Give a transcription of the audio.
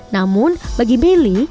namun bagi meli